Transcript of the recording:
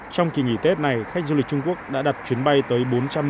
trong kỳ nghỉ tết này khách du lịch trung quốc đã đặt chuyến bay tới bốn trăm năm mươi